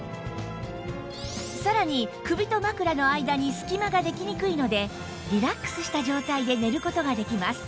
さらに首と枕の間に隙間ができにくいのでリラックスした状態で寝る事ができます